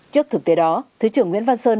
trước thực tế đó thứ trưởng nguyễn văn sơn